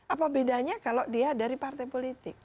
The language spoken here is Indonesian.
apa bedanya kalau dia dari partai politik